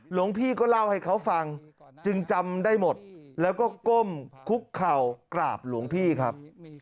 หลวงพี่ก็เล่าให้เขาฟังจึงจำได้หมดแล้วก็ก้มคุกเข่ากราบหลวงพี่ครับ